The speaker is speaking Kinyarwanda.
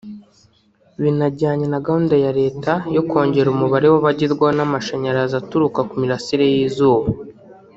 binajyanye na gahunda ya Leta yo kongera umubare w’abagerwaho n’amashanyarazi aturuka ku mirasire y’izuba